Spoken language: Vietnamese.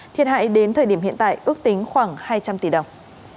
thiệt hại đến thời điểm hiện tại ước tính khoảng hai trăm linh tỷ đồng